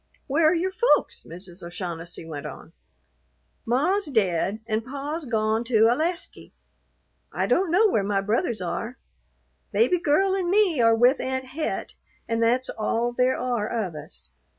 "Where are your folks?" Mrs. O'Shaughnessy went on. "Ma's dead, an pa's gone to Alasky. I don't know where my brothers are. Baby Girl an' me are with Aunt Het, an' that's all there are of us."